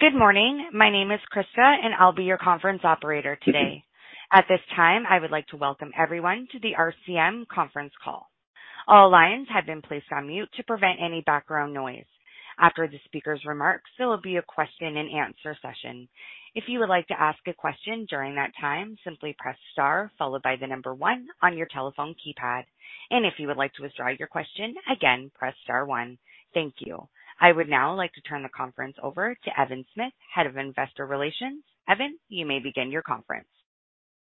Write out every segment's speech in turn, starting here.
Good morning. My name is Krista, and I'll be your conference operator today. At this time, I would like to welcome everyone to the RCM conference call. All lines have been placed on mute to prevent any background noise. After the speaker's remarks, there will be a question and answer session. If you would like to ask a question during that time, simply press star, followed by the number one on your telephone keypad. If you would like to withdraw your question again, press star one. Thank you. I would now like to turn the conference over to Evan Smith, Head of Investor Relations. Evan, you may begin your conference.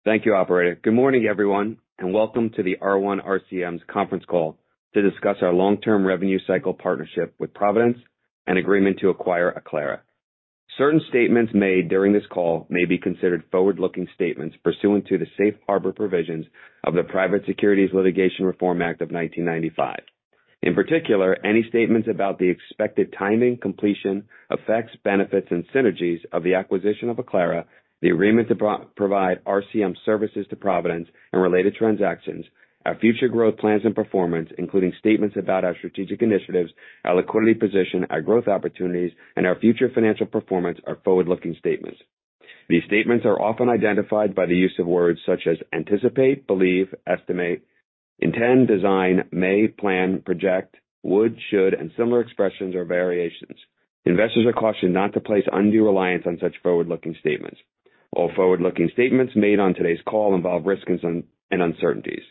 Thank you, operator. Good morning, everyone, and welcome to the R1 RCM's conference call to discuss our long-term revenue cycle partnership with Providence and agreement to acquire Acclara. Certain statements made during this call may be considered forward-looking statements pursuant to the Safe Harbor Provisions of the Private Securities Litigation Reform Act of 1995. In particular, any statements about the expected timing, completion, effects, benefits, and synergies of the acquisition of Acclara, the agreement to provide RCM services to Providence and related transactions, our future growth plans and performance, including statements about our strategic initiatives, our liquidity position, our growth opportunities, and our future financial performance are forward-looking statements. These statements are often identified by the use of words such as anticipate, believe, estimate, intend, design, may, plan, project, would, should, and similar expressions or variations. Investors are cautioned not to place undue reliance on such forward-looking statements. All forward-looking statements made on today's call involve risks and uncertainties.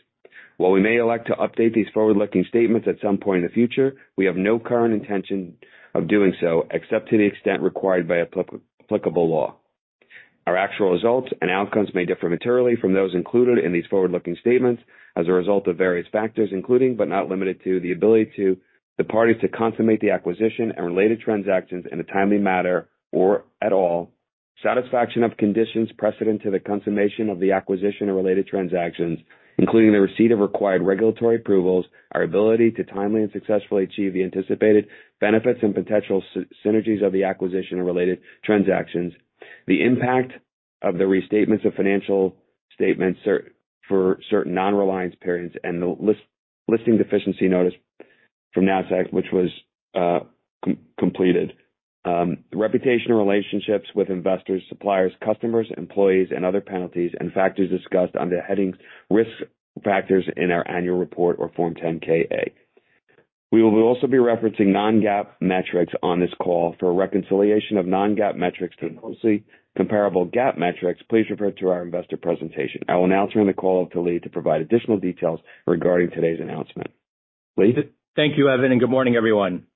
While we may elect to update these forward-looking statements at some point in the future, we have no current intention of doing so, except to the extent required by applicable law. Our actual results and outcomes may differ materially from those included in these forward-looking statements as a result of various factors, including, but not limited to, the ability to, the parties to consummate the acquisition and related transactions in a timely matter or at all. Satisfaction of conditions precedent to the consummation of the acquisition and related transactions, including the receipt of required regulatory approvals, our ability to timely and successfully achieve the anticipated benefits and potential synergies of the acquisition and related transactions, the impact of the restatements of financial statements for certain non-reliance periods, and the listing deficiency notice from Nasdaq, which was completed. Reputational relationships with investors, suppliers, customers, employees, and other penalties and factors discussed under the heading Risk Factors in our annual report or Form 10-K/A. We will also be referencing non-GAAP metrics on this call. For a reconciliation of non-GAAP metrics to closely comparable GAAP metrics, please refer to our investor presentation. I will now turn the call to Lee to provide additional details regarding today's announcement. Lee? Thank you, Evan, and good morning, everyone.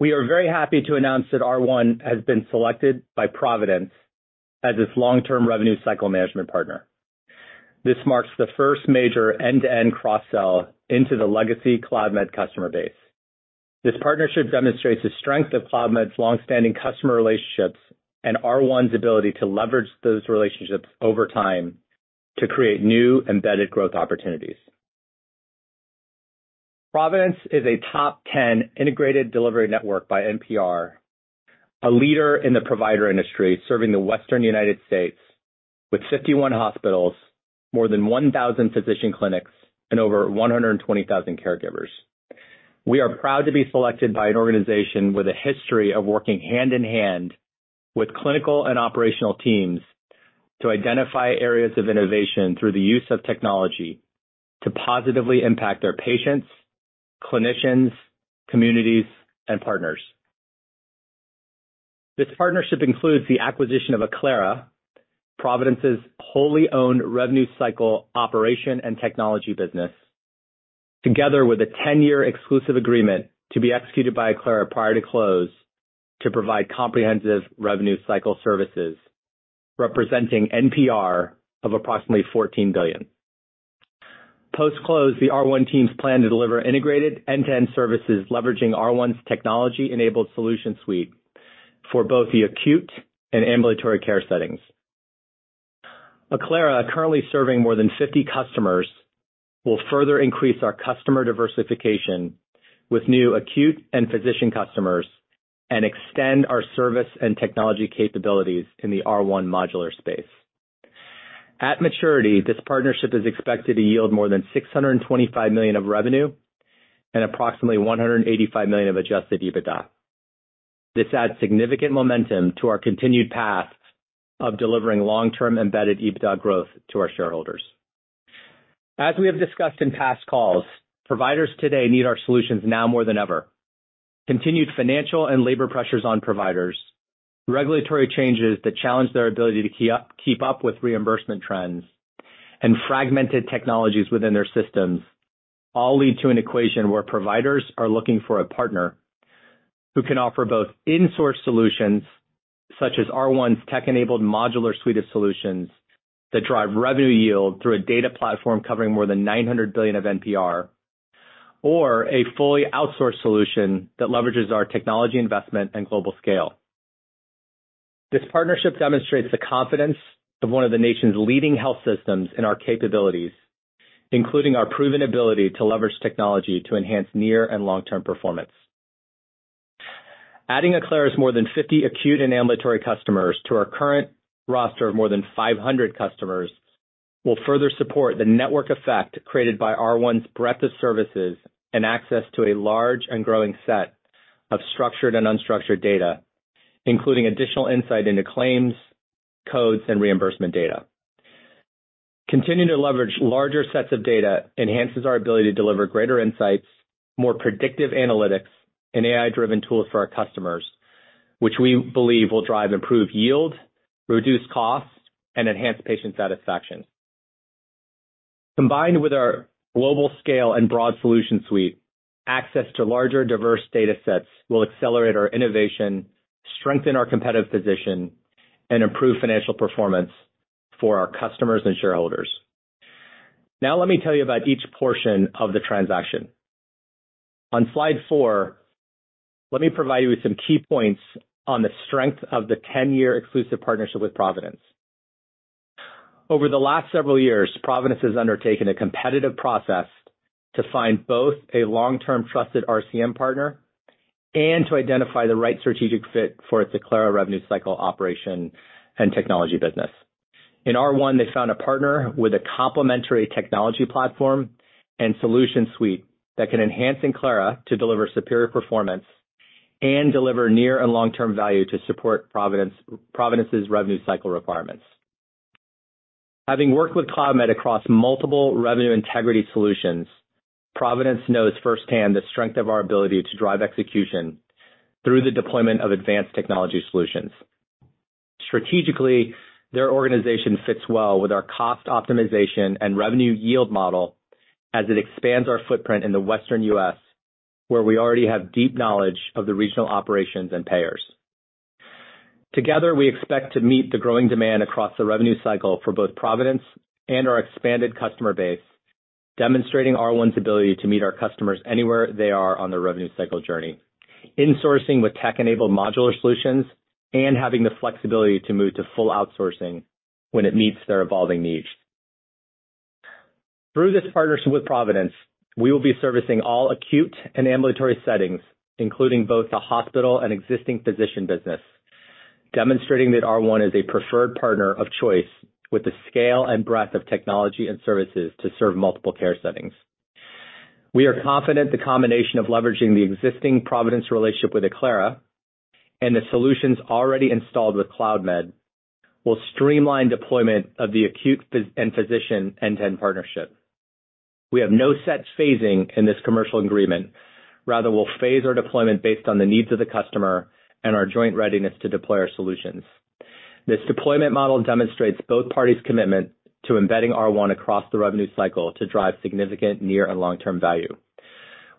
We are very happy to announce that R1 has been selected by Providence as its long-term revenue cycle management partner. This marks the first major end-to-end cross-sell into the legacy Cloudmed customer base. This partnership demonstrates the strength of Cloudmed's long-standing customer relationships and R1's ability to leverage those relationships over time to create new embedded growth opportunities. Providence is a top 10 integrated delivery network by NPR, a leader in the provider industry, serving the Western United States with 51 hospitals, more than 1,000 physician clinics, and over 120,000 caregivers. We are proud to be selected by an organization with a history of working hand in hand with clinical and operational teams to identify areas of innovation through the use of technology to positively impact their patients, clinicians, communities, and partners. This partnership includes the acquisition of Acclara, Providence's wholly owned revenue cycle operation and technology business, together with a 10-year exclusive agreement to be executed by Acclara prior to close to provide comprehensive revenue cycle services, representing NPR of approximately $14 billion. Post-close, the R1 teams plan to deliver integrated end-to-end services, leveraging R1's technology-enabled solution suite for both the acute and ambulatory care settings. Acclara, currently serving more than 50 customers, will further increase our customer diversification with new acute and physician customers and extend our service and technology capabilities in the R1 modular space. At maturity, this partnership is expected to yield more than $625 million of revenue and approximately $185 million of adjusted EBITDA. This adds significant momentum to our continued path of delivering long-term embedded EBITDA growth to our shareholders. As we have discussed in past calls, providers today need our solutions now more than ever. Continued financial and labor pressures on providers, regulatory changes that challenge their ability to keep up with reimbursement trends, and fragmented technologies within their systems all lead to an equation where providers are looking for a partner who can offer both in-source solutions, such as R1's tech-enabled modular suite of solutions that drive revenue yield through a data platform covering more than $900 billion of NPR, or a fully outsourced solution that leverages our technology investment and global scale. This partnership demonstrates the confidence of one of the nation's leading health systems in our capabilities, including our proven ability to leverage technology to enhance near and long-term performance. Adding Acclara's more than 50 acute and ambulatory customers to our current roster of more than 500 customers will further support the network effect created by R1's breadth of services and access to a large and growing set of structured and unstructured data, including additional insight into claims, codes, and reimbursement data. Continuing to leverage larger sets of data enhances our ability to deliver greater insights, more predictive analytics, and AI-driven tools for our customers, which we believe will drive improved yield, reduce costs, and enhance patient satisfaction. Combined with our global scale and broad solution suite, access to larger, diverse data sets will accelerate our innovation, strengthen our competitive position, and improve financial performance for our customers and shareholders. Now let me tell you about each portion of the transaction. On Slide 4, let me provide you with some key points on the strength of the 10-year exclusive partnership with Providence. Over the last several years, Providence has undertaken a competitive process to find both a long-term trusted RCM partner and to identify the right strategic fit for its Acclara revenue cycle operation and technology business. In R1, they found a partner with a complementary technology platform and solution suite that can enhance Acclara to deliver superior performance and deliver near and long-term value to support Providence, Providence's revenue cycle requirements. Having worked with Cloudmed across multiple revenue integrity solutions, Providence knows firsthand the strength of our ability to drive execution through the deployment of advanced technology solutions. Strategically, their organization fits well with our cost optimization and revenue yield model as it expands our footprint in the Western U.S., where we already have deep knowledge of the regional operations and payers. Together, we expect to meet the growing demand across the revenue cycle for both Providence and our expanded customer base, demonstrating R1's ability to meet our customers anywhere they are on their revenue cycle journey, insourcing with tech-enabled modular solutions and having the flexibility to move to full outsourcing when it meets their evolving needs. Through this partnership with Providence, we will be servicing all acute and ambulatory settings, including both the hospital and existing physician business, demonstrating that R1 is a preferred partner of choice with the scale and breadth of technology and services to serve multiple care settings. We are confident the combination of leveraging the existing Providence relationship with Acclara and the solutions already installed with Cloudmed will streamline deployment of the acute and physician end-to-end partnership. We have no set phasing in this commercial agreement. Rather, we'll phase our deployment based on the needs of the customer and our joint readiness to deploy our solutions. This deployment model demonstrates both parties' commitment to embedding R1 across the revenue cycle to drive significant near and long-term value.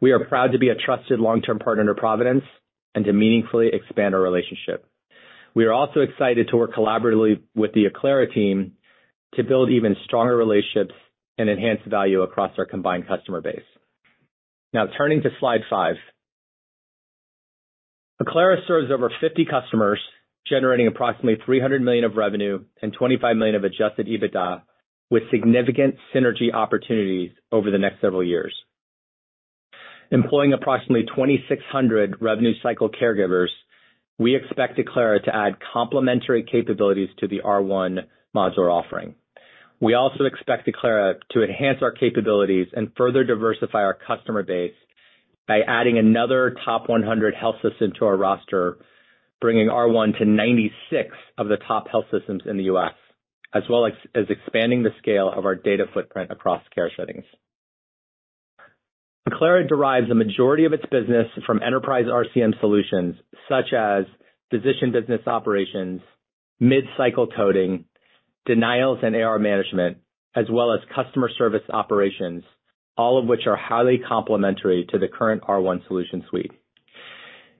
We are proud to be a trusted long-term partner to Providence and to meaningfully expand our relationship. We are also excited to work collaboratively with the Acclara team to build even stronger relationships and enhance value across our combined customer base. Now turning to Slide 5. Acclara serves over 50 customers, generating approximately $300 million of revenue and $25 million of adjusted EBITDA, with significant synergy opportunities over the next several years. Employing approximately 2,600 revenue cycle caregivers, we expect Acclara to add complementary capabilities to the R1 modular offering. We also expect Acclara to enhance our capabilities and further diversify our customer base by adding another top 100 health system to our roster, bringing R1 to 96 of the top health systems in the U.S., as well as expanding the scale of our data footprint across care settings. Acclara derives the majority of its business from enterprise RCM solutions, such as physician business operations, mid-cycle coding, denials and AR management, as well as customer service operations, all of which are highly complementary to the current R1 solution suite.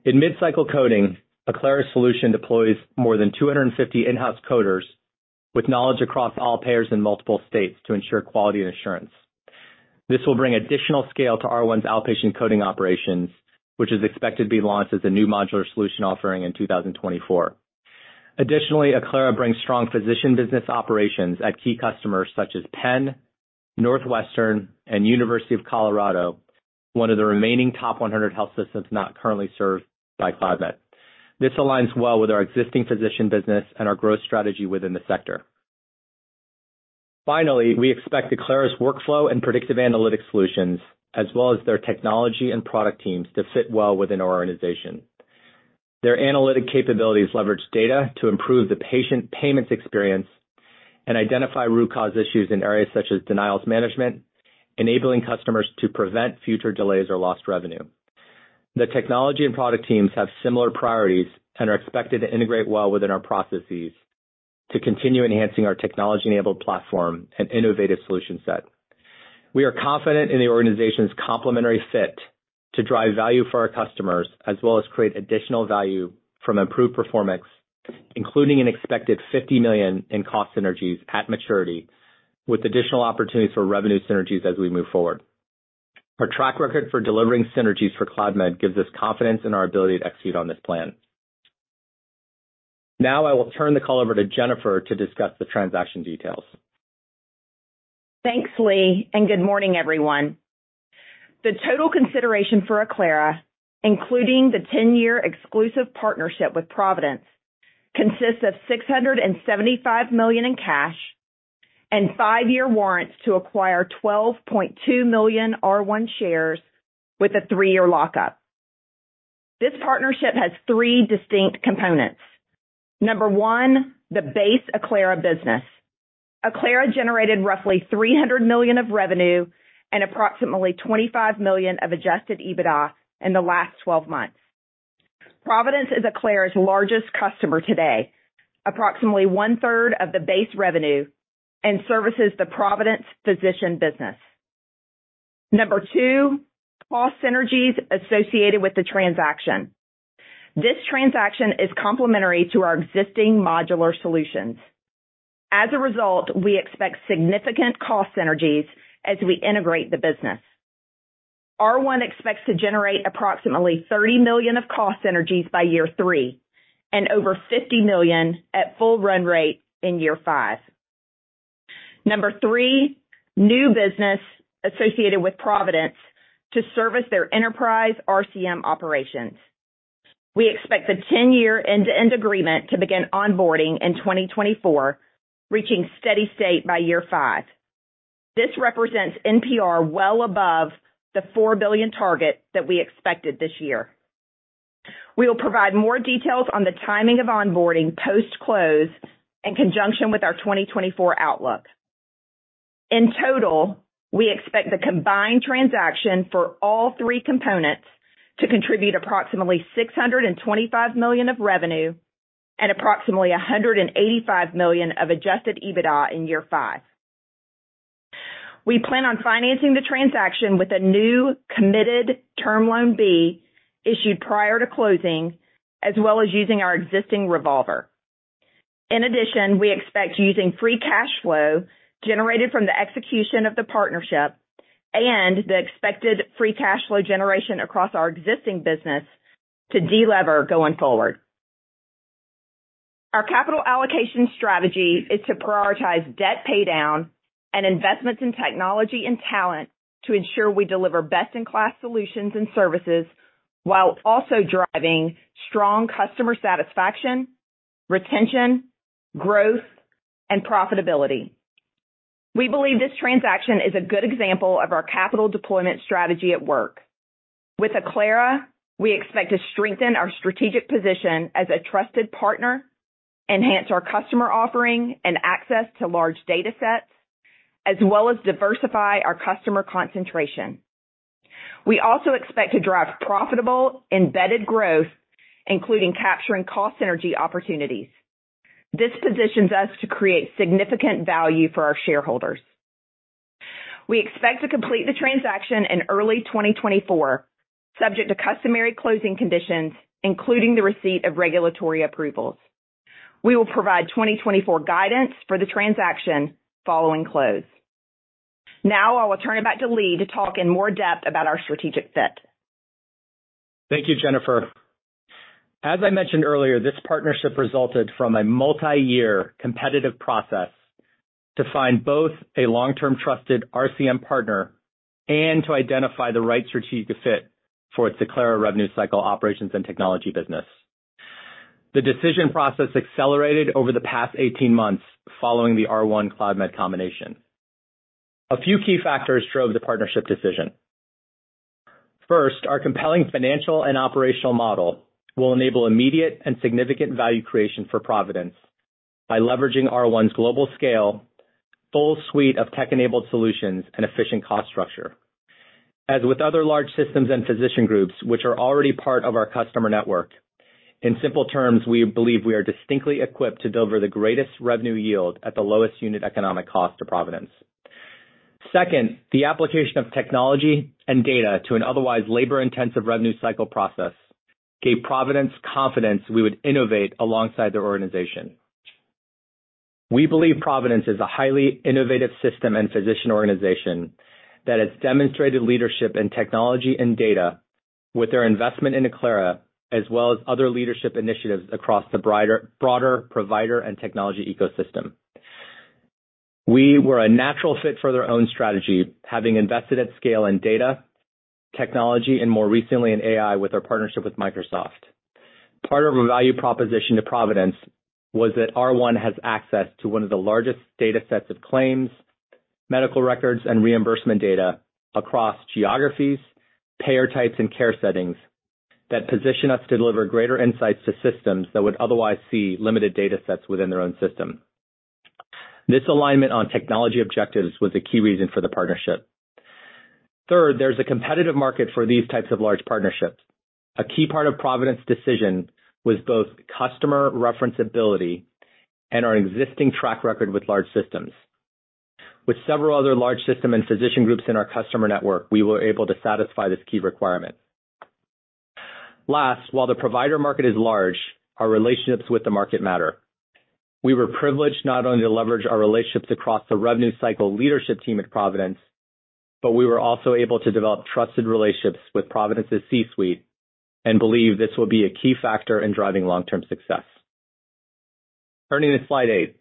In mid-cycle coding, Acclara's solution deploys more than 250 in-house coders with knowledge across all payers in multiple states to ensure quality and assurance. This will bring additional scale to R1's outpatient coding operations, which is expected to be launched as a new modular solution offering in 2024. Additionally, Acclara brings strong physician business operations at key customers such as Penn, Northwestern, and University of Colorado, one of the remaining top 100 health systems not currently served by Cloudmed. This aligns well with our existing physician business and our growth strategy within the sector. Finally, we expect Acclara's workflow and predictive analytics solutions, as well as their technology and product teams, to fit well within our organization. Their analytic capabilities leverage data to improve the patient payments experience and identify root cause issues in areas such as denials management, enabling customers to prevent future delays or lost revenue. The technology and product teams have similar priorities and are expected to integrate well within our processes to continue enhancing our technology-enabled platform and innovative solution set. We are confident in the organization's complementary fit to drive value for our customers, as well as create additional value from improved performance, including an expected $50 million in cost synergies at maturity, with additional opportunities for revenue synergies as we move forward. Our track record for delivering synergies for Cloudmed gives us confidence in our ability to execute on this plan. Now I will turn the call over to Jennifer to discuss the transaction details. Thanks, Lee, and good morning, everyone. The total consideration for Acclara, including the 10-year exclusive partnership with Providence, consists of $675 million in cash and five-year warrants to acquire 12.2 million R1 shares with a three-year lockup. This partnership has three distinct components. Number 1, the base Acclara business. Acclara generated roughly $300 million of revenue and approximately $25 million of adjusted EBITDA in the last 12 months. Providence is Acclara's largest customer today, approximately 1/3 of the base revenue and services the Providence physician business. Number 2, cost synergies associated with the transaction. This transaction is complementary to our existing modular solutions. As a result, we expect significant cost synergies as we integrate the business. R1 expects to generate approximately $30 million of cost synergies by year three, and over $50 million at full run rate in year five. Number 3, new business associated with Providence to service their enterprise RCM operations. We expect the 10-year end-to-end agreement to begin onboarding in 2024, reaching steady state by year five. This represents NPR well above the $4 billion target that we expected this year. We will provide more details on the timing of onboarding post-close in conjunction with our 2024 outlook. In total, we expect the combined transaction for all three components to contribute approximately $625 million of revenue and approximately $185 million of adjusted EBITDA in year five. We plan on financing the transaction with a new committed Term Loan B, issued prior to closing, as well as using our existing revolver. In addition, we expect using free cash flow generated from the execution of the partnership and the expected free cash flow generation across our existing business to delever going forward. Our capital allocation strategy is to prioritize debt paydown and investments in technology and talent to ensure we deliver best-in-class solutions and services, while also driving strong customer satisfaction, retention, growth, and profitability. We believe this transaction is a good example of our capital deployment strategy at work. With Acclara, we expect to strengthen our strategic position as a trusted partner, enhance our customer offering and access to large datasets, as well as diversify our customer concentration. We also expect to drive profitable, embedded growth, including capturing cost synergy opportunities. This positions us to create significant value for our shareholders. We expect to complete the transaction in early 2024, subject to customary closing conditions, including the receipt of regulatory approvals. We will provide 2024 guidance for the transaction following close. Now I will turn it back to Lee to talk in more depth about our strategic fit. Thank you, Jennifer. As I mentioned earlier, this partnership resulted from a multi-year competitive process to find both a long-term trusted RCM partner and to identify the right strategic fit for its Acclara revenue cycle operations and technology business. The decision process accelerated over the past 18 months following the R1 Cloudmed combination. A few key factors drove the partnership decision. First, our compelling financial and operational model will enable immediate and significant value creation for Providence by leveraging R1's global scale, full suite of tech-enabled solutions, and efficient cost structure. As with other large systems and physician groups, which are already part of our customer network, in simple terms, we believe we are distinctly equipped to deliver the greatest revenue yield at the lowest unit economic cost to Providence. Second, the application of technology and data to an otherwise labor-intensive revenue cycle process gave Providence confidence we would innovate alongside their organization. We believe Providence is a highly innovative system and physician organization that has demonstrated leadership in technology and data with their investment in Acclara, as well as other leadership initiatives across the broader provider and technology ecosystem. We were a natural fit for their own strategy, having invested at scale in data, technology, and more recently in AI with our partnership with Microsoft. Part of our value proposition to Providence was that R1 has access to one of the largest datasets of claims, medical records, and reimbursement data across geographies, payer types, and care settings that position us to deliver greater insights to systems that would otherwise see limited datasets within their own system. This alignment on technology objectives was a key reason for the partnership. Third, there's a competitive market for these types of large partnerships. A key part of Providence's decision was both customer referenceability and our existing track record with large systems. With several other large system and physician groups in our customer network, we were able to satisfy this key requirement. Last, while the provider market is large, our relationships with the market matter. We were privileged not only to leverage our relationships across the revenue cycle leadership team at Providence, but we were also able to develop trusted relationships with Providence's C-suite and believe this will be a key factor in driving long-term success. Turning to Slide 8.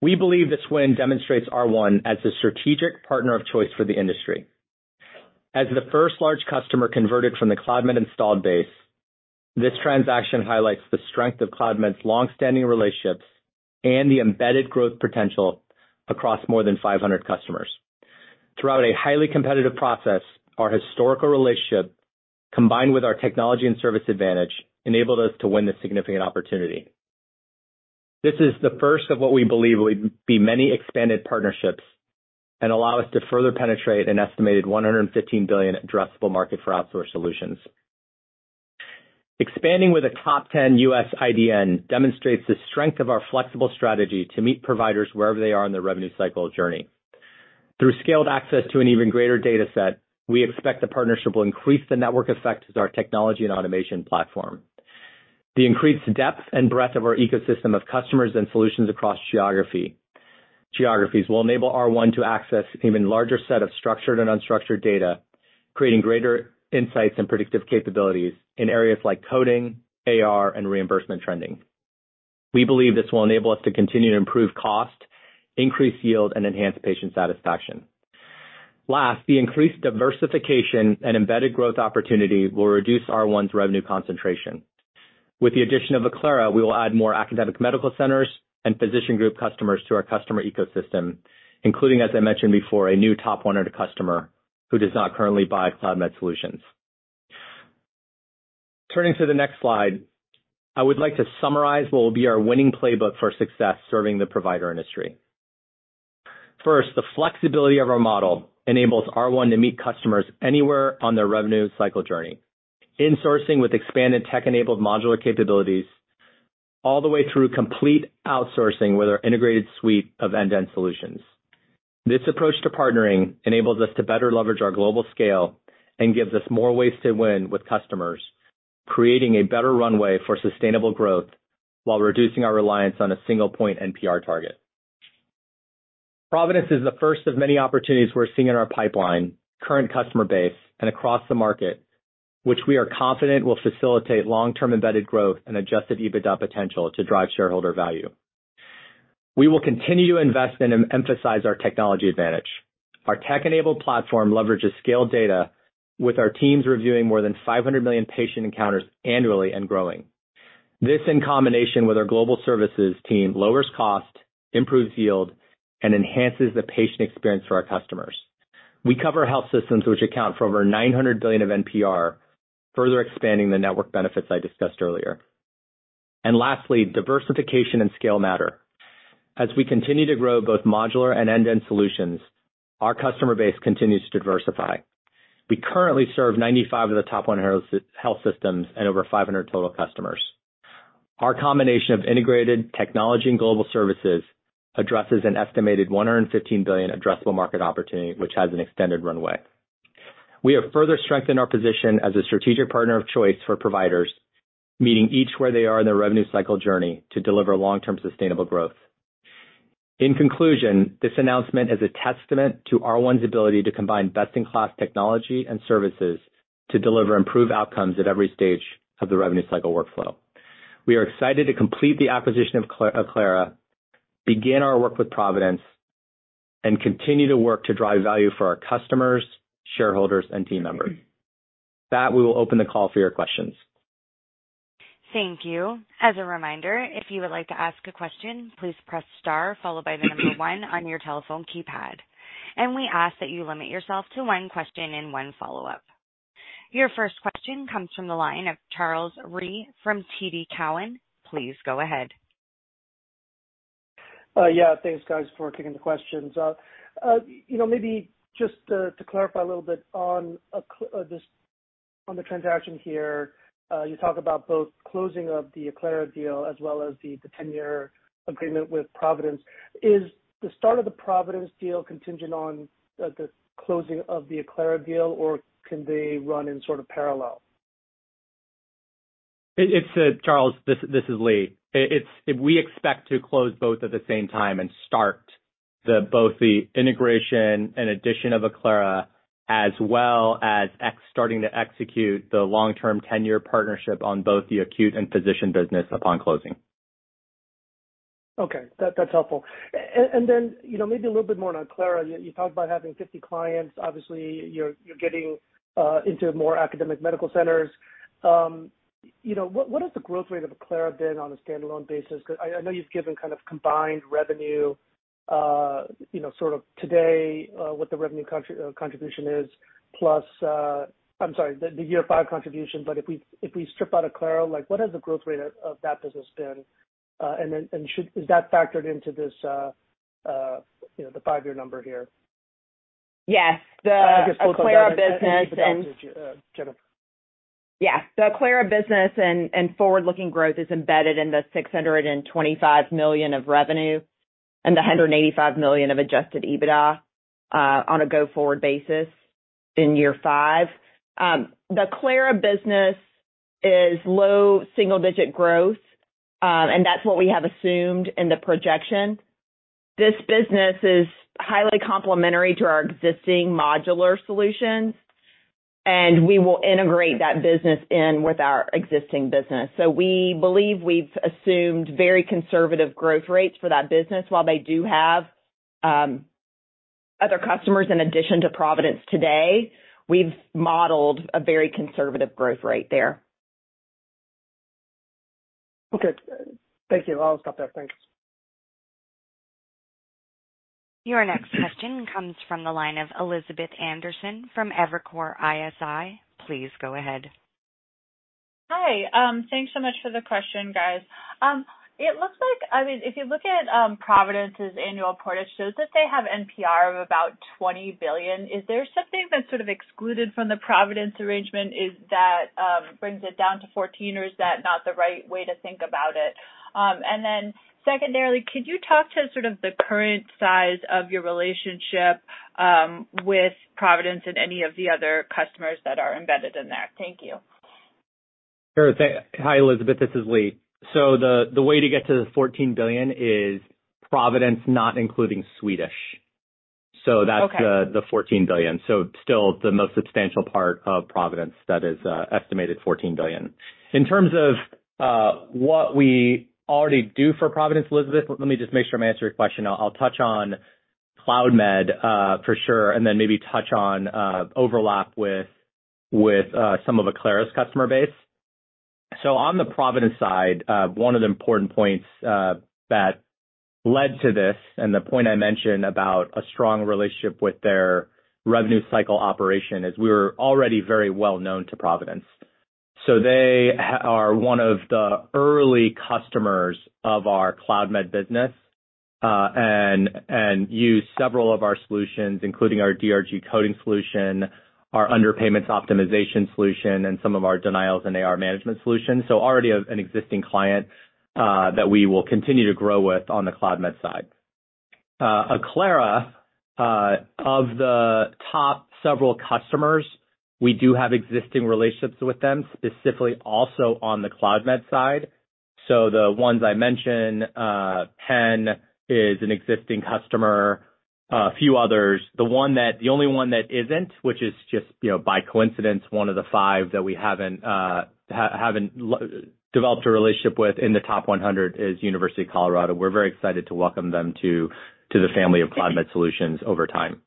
We believe this win demonstrates R1 as a strategic partner of choice for the industry. As the first large customer converted from the Cloudmed installed base, this transaction highlights the strength of Cloudmed's long-standing relationships and the embedded growth potential across more than 500 customers. Throughout a highly competitive process, our historical relationship, combined with our technology and service advantage, enabled us to win this significant opportunity. This is the first of what we believe will be many expanded partnerships and allow us to further penetrate an estimated $115 billion addressable market for outsource solutions. Expanding with a top 10 U.S. IDN demonstrates the strength of our flexible strategy to meet providers wherever they are in their revenue cycle journey. Through scaled access to an even greater data set, we expect the partnership will increase the network effect with our technology and automation platform. The increased depth and breadth of our ecosystem of customers and solutions across geographies will enable R1 to access an even larger set of structured and unstructured data, creating greater insights and predictive capabilities in areas like coding, AR, and reimbursement trending. We believe this will enable us to continue to improve cost, increase yield, and enhance patient satisfaction. Last, the increased diversification and embedded growth opportunity will reduce R1's revenue concentration. With the addition of Acclara, we will add more academic medical centers and physician group customers to our customer ecosystem, including, as I mentioned before, a new top 100 customer who does not currently buy Cloudmed solutions. Turning to the next slide, I would like to summarize what will be our winning playbook for success serving the provider industry. First, the flexibility of our model enables R1 to meet customers anywhere on their revenue cycle journey. Insourcing with expanded tech-enabled modular capabilities, all the way through complete outsourcing with our integrated suite of end-to-end solutions. This approach to partnering enables us to better leverage our global scale and gives us more ways to win with customers, creating a better runway for sustainable growth while reducing our reliance on a single point NPR target. Providence is the first of many opportunities we're seeing in our pipeline, current customer base, and across the market, which we are confident will facilitate long-term embedded growth and adjusted EBITDA potential to drive shareholder value. We will continue to invest and emphasize our technology advantage. Our tech-enabled platform leverages scaled data with our teams reviewing more than 500 million patient encounters annually and growing. This, in combination with our global services team, lowers cost, improves yield, and enhances the patient experience for our customers. We cover health systems which account for over $900 billion of NPR, further expanding the network benefits I discussed earlier. Lastly, diversification and scale matter. As we continue to grow both modular and end-to-end solutions, our customer base continues to diversify. We currently serve 95 of the top 100 health systems and over 500 total customers. Our combination of integrated technology and global services addresses an estimated $115 billion addressable market opportunity, which has an extended runway. We have further strengthened our position as a strategic partner of choice for providers, meeting each where they are in their revenue cycle journey to deliver long-term sustainable growth. In conclusion, this announcement is a testament to R1's ability to combine best-in-class technology and services to deliver improved outcomes at every stage of the revenue cycle workflow. We are excited to complete the acquisition of Acclara, begin our work with Providence, and continue to work to drive value for our customers, shareholders, and team members. With that, we will open the call for your questions. Thank you. As a reminder, if you would like to ask a question, please press star followed by the number one on your telephone keypad. We ask that you limit yourself to one question and one follow-up. Your first question comes from the line of Charles Rhyee from TD Cowen. Please go ahead. Yeah, thanks, guys, for kicking the questions. You know, maybe just to clarify a little bit on this, on the transaction here, you talk about both closing of the Acclara deal as well as the 10-year agreement with Providence. Is the start of the Providence deal contingent on the closing of the Acclara deal, or can they run in sort of parallel? Charles, this is Lee. We expect to close both at the same time and start both the integration and addition of Acclara, as well as starting to execute the long-term 10-year partnership on both the acute and physician business upon closing. Okay, that's helpful. And then, you know, maybe a little bit more on Acclara. You talked about having 50 clients. Obviously, you're getting into more academic medical centers. You know, what is the growth rate of Acclara been on a standalone basis? I know you've given kind of combined revenue, you know, sort of today, what the revenue contribution is, plus, I'm sorry, the year five contribution, but if we strip out Acclara, like, what has the growth rate of that business been? And then, is that factored into this, you know, the five-year number here? Yes, the Acclara business and. Jennifer. Yeah. The Acclara business and forward-looking growth is embedded in the $625 million of revenue and the $185 million of adjusted EBITDA on a go-forward basis in year five. The Acclara business is low single digit growth, and that's what we have assumed in the projection. This business is highly complementary to our existing modular solutions and we will integrate that business in with our existing business. So we believe we've assumed very conservative growth rates for that business. While they do have other customers in addition to Providence today, we've modeled a very conservative growth rate there. Okay, thank you. I'll stop there. Thanks. Your next question comes from the line of Elizabeth Anderson from Evercore ISI. Please go ahead. Hi, thanks so much for the question, guys. It looks like, I mean, if you look at Providence's annual report, it shows that they have NPR of about $20 billion. Is there something that's sort of excluded from the Providence arrangement? Is that brings it down to $14 billion, or is that not the right way to think about it? And then secondarily, could you talk to sort of the current size of your relationship with Providence and any of the other customers that are embedded in there? Thank you. Sure. Hi, Elizabeth, this is Lee. So the way to get to the $14 billion is Providence, not including Swedish. Okay. So that's the $14 billion. So still the most substantial part of Providence, that is estimated $14 billion. In terms of what we already do for Providence, Elizabeth, let me just make sure I'm answering your question. I'll touch on Cloudmed for sure, and then maybe touch on overlap with some of Acclara's customer base. So on the Providence side, one of the important points that led to this, and the point I mentioned about a strong relationship with their revenue cycle operation, is we were already very well known to Providence. So they are one of the early customers of our Cloudmed business, and use several of our solutions, including our DRG coding solution, our underpayments optimization solution, and some of our denials and AR management solutions. So already an existing client, that we will continue to grow with on the Cloudmed side. Acclara, of the top several customers, we do have existing relationships with them, specifically also on the Cloudmed side. So the ones I mentioned, Penn is an existing customer, a few others. The only one that isn't, which is just, you know, by coincidence, one of the five that we haven't developed a relationship with in the top 100 is University of Colorado. We're very excited to welcome them to the family of Cloudmed solutions over time.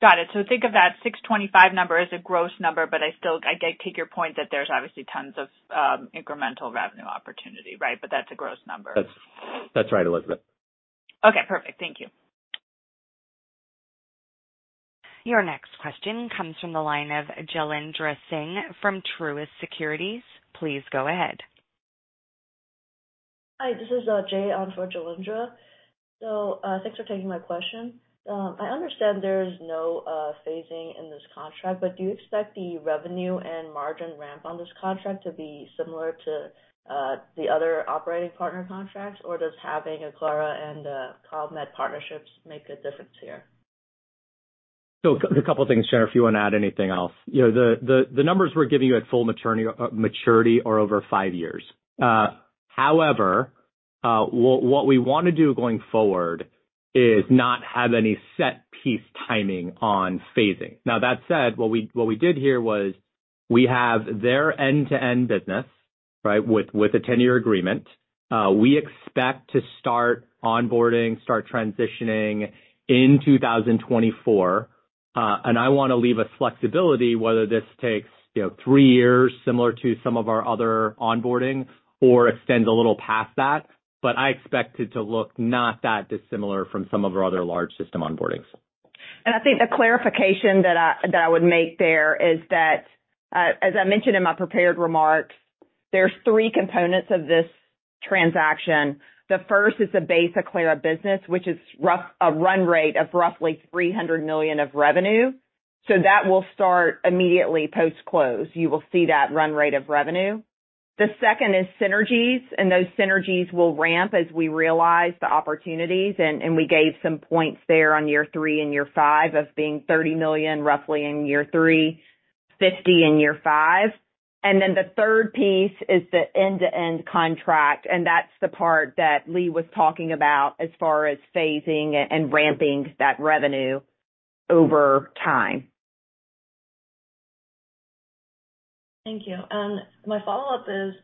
Got it. So think of that $625 million number as a gross number, but I still, I take your point that there's obviously tons of, incremental revenue opportunity, right? But that's a gross number. That's right, Elizabeth. Okay, perfect. Thank you. Your next question comes from the line of Jailendra Singh from Truist Securities. Please go ahead. Hi, this is Jay on for Jailendra. So, thanks for taking my question. I understand there's no phasing in this contract, but do you expect the revenue and margin ramp on this contract to be similar to the other operating partner contracts, or does having Acclara and Cloudmed partnerships make a difference here? So a couple of things, Jennifer, if you want to add anything else. You know, the numbers we're giving you at full maturity are over five years. However, what we want to do going forward is not have any set piece timing on phasing. Now, that said, what we did here was we have their end-to-end business, right? With a 10-year agreement. We expect to start onboarding, start transitioning in 2024. And I want to leave us flexibility whether this takes, you know, three years, similar to some of our other onboarding or extends a little past that, but I expect it to look not that dissimilar from some of our other large system onboardings. I think the clarification that I, that I would make there is that, as I mentioned in my prepared remarks, there's three components of this transaction. The first is the base Acclara business, which is a run rate of roughly $300 million of revenue. So that will start immediately post-close. You will see that run rate of revenue. The second is synergies, and those synergies will ramp as we realize the opportunities, and we gave some points there on year three and year five of being $30 million, roughly in year three, $50 million in year five. And then the third piece is the end-to-end contract, and that's the part that Lee was talking about as far as phasing and ramping that revenue over time. Thank you. My follow-up is,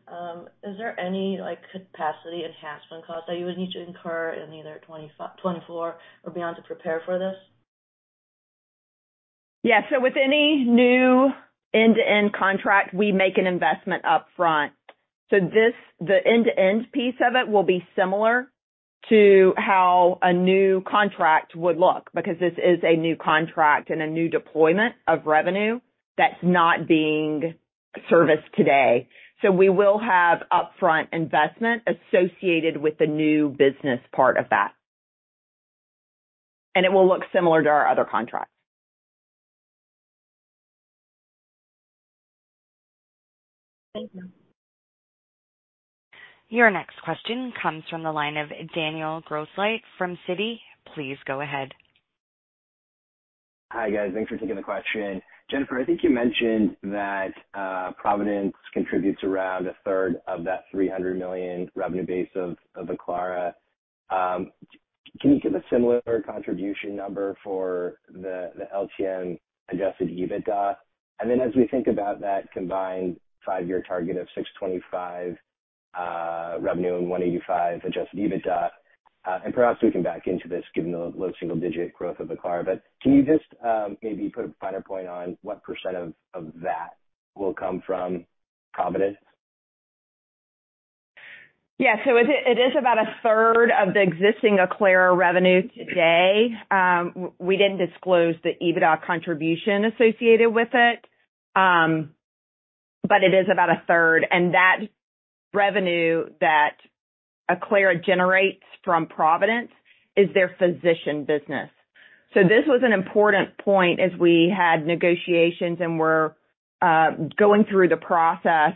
is there any, like, capacity enhancement costs that you would need to incur in either 2024 or beyond to prepare for this? Yeah. So with any new end-to-end contract, we make an investment up front. So this, the end-to-end piece of it, will be similar to how a new contract would look, because this is a new contract and a new deployment of revenue that's not being serviced today. So we will have upfront investment associated with the new business part of that, and it will look similar to our other contracts. Thank you. Your next question comes from the line of Daniel Grosslight from Citi. Please go ahead. Hi, guys. Thanks for taking the question. Jennifer, I think you mentioned that Providence contributes around 1/3 of that $300 million revenue base of Acclara. Can you give a similar contribution number for the LTM adjusted EBITDA? And then as we think about that combined five-year target of $625 million revenue and $185 million adjusted EBITDA, and perhaps we can back into this given the low single-digit growth of Acclara. But can you just maybe put a finer point on what percent of that will come from Providence? Yeah. So it is about 1/3 of the existing Acclara revenue today. We didn't disclose the EBITDA contribution associated with it, but it is about 1/3. And that revenue that Acclara generates from Providence is their physician business. So this was an important point as we had negotiations and were going through the process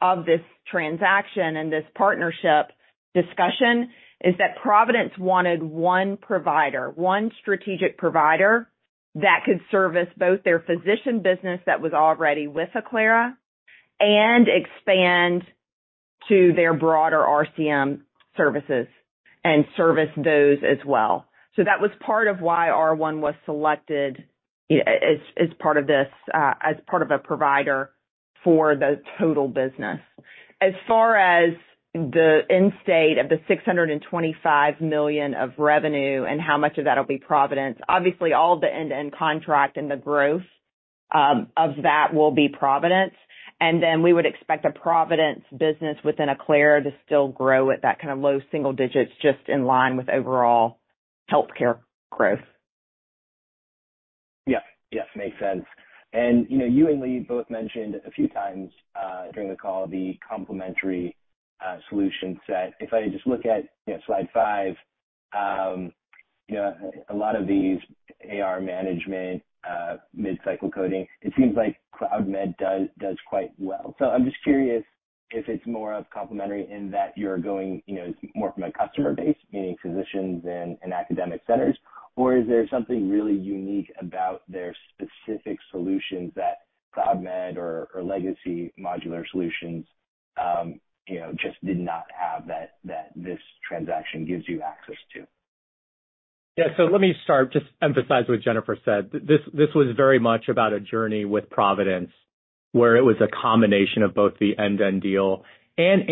of this transaction and this partnership discussion, is that Providence wanted one provider, one strategic provider, that could service both their physician business that was already with Acclara and expand to their broader RCM services and service those as well. So that was part of why R1 was selected as part of a provider for the total business. As far as the end state of the $625 million of revenue and how much of that will be Providence, obviously, all the end-to-end contract and the growth of that will be Providence. And then we would expect the Providence business within Acclara to still grow at that kind of low single digits, just in line with overall healthcare growth. Yeah. Yes, makes sense. And, you know, you and Lee both mentioned a few times during the call, the complementary solution set. If I just look at, you know, Slide 5, you know, a lot of these AR management mid-cycle coding, it seems like Cloudmed does quite well. So I'm just curious if it's more of complementary in that you're going, you know, more from a customer base, meaning physicians and academic centers. Or is there something really unique about their specific solutions that Cloudmed or legacy modular solutions, you know, just did not have that this transaction gives you access to? Yeah. So let me start, just emphasize what Jennifer said. This was very much about a journey with Providence, where it was a combination of both the end-to-end deal and,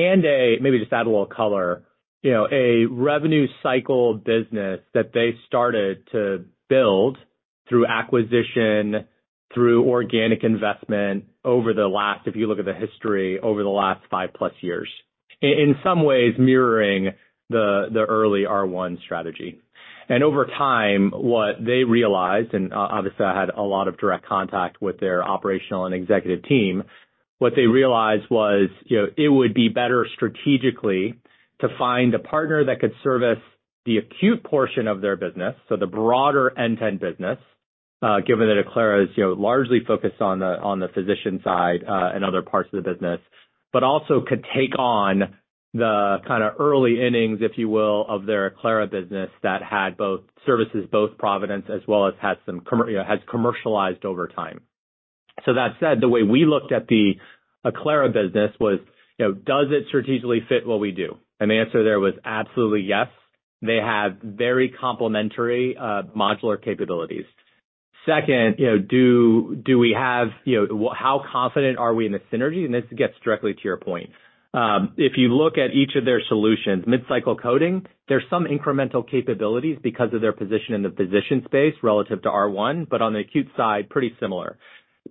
maybe just add a little color, you know, a revenue cycle business that they started to build through acquisition, through organic investment over the last, if you look at the history, over the last five plus years. In some ways, mirroring the early R1 strategy. And over time, what they realized, and obviously I had a lot of direct contact with their operational and executive team, what they realized was, you know, it would be better strategically to find a partner that could service the acute portion of their business, so the broader end-to-end business, given that Acclara is, you know, largely focused on the, on the physician side, and other parts of the business. But also could take on the kind of early innings, if you will, of their Acclara business that had both services, both Providence as well as has some commercialized over time. So that said, the way we looked at the Acclara business was, you know, does it strategically fit what we do? And the answer there was absolutely yes. They have very complementary modular capabilities. Second, you know, do we have, you know, how confident are we in the synergy? And this gets directly to your point. If you look at each of their solutions, mid-cycle coding, there's some incremental capabilities because of their position in the physician space relative to R1, but on the acute side, pretty similar.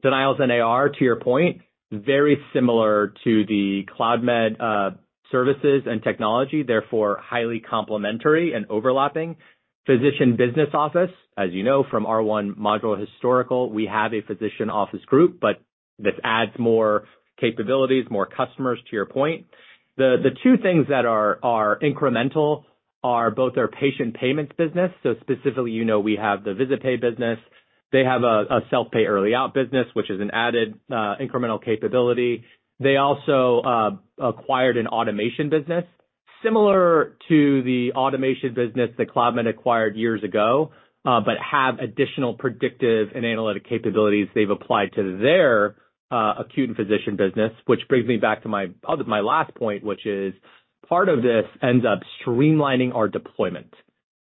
Denials and AR, to your point, very similar to the Cloudmed services and technology, therefore, highly complementary and overlapping. Physician business office, as you know from R1 module historical, we have a physician office group, but this adds more capabilities, more customers, to your point. The two things that are incremental are both our patient payments business. So specifically, you know, we have the VisitPay business. They have a self-pay early out business, which is an added incremental capability. They also acquired an automation business similar to the automation business that Cloudmed acquired years ago, but have additional predictive and analytic capabilities they've applied to their acute and physician business. Which brings me back to my last point, which is part of this ends up streamlining our deployment,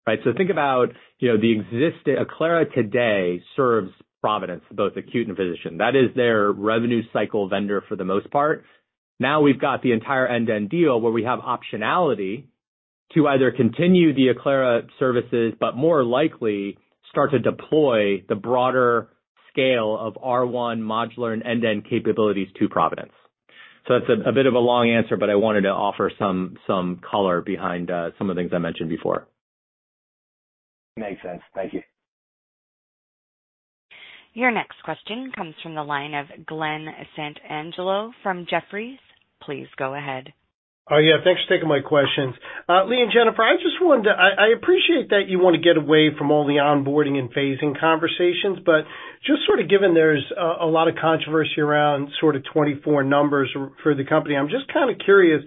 right? So think about, you know, the existing Acclara today serves Providence, both acute and physician. That is their revenue cycle vendor for the most part. Now, we've got the entire end-to-end deal where we have optionality to either continue the Acclara services, but more likely start to deploy the broader scale of R1 modular and end-to-end capabilities to Providence. So that's a bit of a long answer, but I wanted to offer some color behind some of the things I mentioned before. Makes sense. Thank you. Your next question comes from the line of Glen Santangelo from Jefferies. Please go ahead. Oh, yeah. Thanks for taking my questions. Lee and Jennifer, I just wanted to, I appreciate that you want to get away from all the onboarding and phasing conversations, but just sort of given there's a lot of controversy around sort of 2024 numbers for the company, I'm just kind of curious.